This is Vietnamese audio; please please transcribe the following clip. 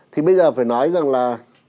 thì bây giờ phải nói rằng là